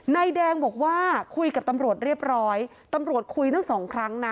นายแดงบอกว่าคุยกับตำรวจเรียบร้อยตำรวจคุยทั้งสองครั้งนะ